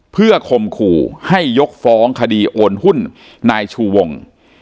เพื่อคมขู่ให้ยกฟ้องคดีโอนหุ้นนายชูวง